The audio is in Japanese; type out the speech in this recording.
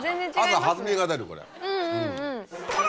朝弾みが出るこれ。